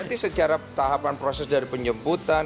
nanti secara tahapan proses dari penjemputan